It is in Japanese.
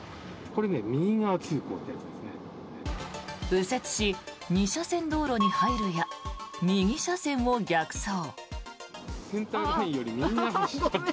右折し、２車線道路に入るや右車線を逆走。